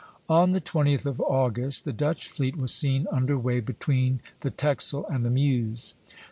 On the 20th of August the Dutch fleet was seen under way between the Texel and the Meuse.